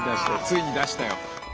ついに出したよ。